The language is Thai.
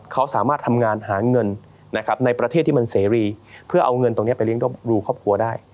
เขาสามารถทำงานหาเงินนะครับในประเทศที่มันเสรีเพื่อเอาเงินตรงนี้ไปเลี้ยงดูครอบครัวได้